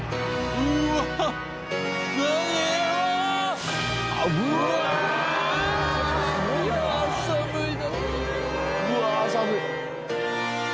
うわあ寒い。